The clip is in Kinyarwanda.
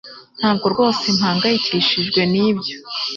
Ntabwo rwose mpangayikishijwe nibyo